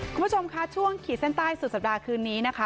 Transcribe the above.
คุณผู้ชมค่ะช่วงขีดเส้นใต้สุดสัปดาห์คืนนี้นะคะ